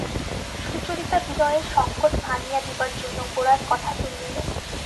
সুচরিতা বিনয়ের সংকোচ ভাঙিয়া দিবার জন্য গোরার কথা তুলিল।